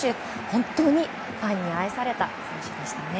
本当にファンに愛された選手でしたね。